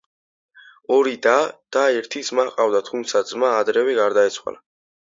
ორი და და ერთი ძმა ჰყავდა, თუმცა ძმა ადრევე გარდაეცვალა.